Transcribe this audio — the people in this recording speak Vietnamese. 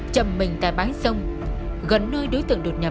chầm mình tại bãi sông gần nơi đối tượng đột nhập